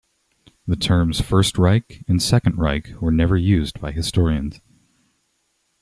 The terms "First Reich" and "Second Reich" were never used by historians.